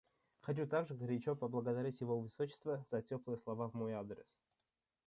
Хочу также горячо поблагодарить Его Высочество за теплые слова в мой адрес.